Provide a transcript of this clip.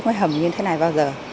cái hầm như thế này bao giờ